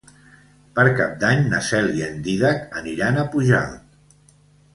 Per Cap d'Any na Cel i en Dídac aniran a Pujalt.